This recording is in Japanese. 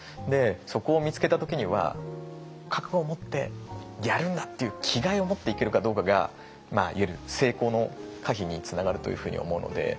そこを見つけた時には覚悟を持ってやるんだっていう気概を持っていけるかどうかがいわゆる成功の可否につながるというふうに思うので。